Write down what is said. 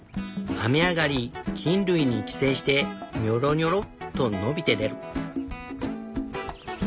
雨上がり菌類に寄生してニョロニョロッと伸びて出る。